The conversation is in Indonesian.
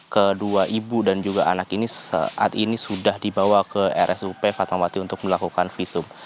kedua ibu dan juga anak ini saat ini sudah dibawa ke rsup fatmawati untuk melakukan visum